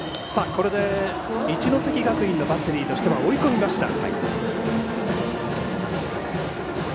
これで一関学院のバッテリーとしては追い込みました。